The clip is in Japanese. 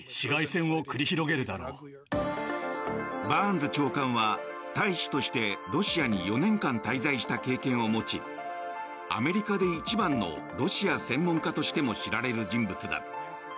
バーンズ長官は大使としてロシアに４年間滞在した経験を持ちアメリカで一番のロシア専門家としても知られる人物だ。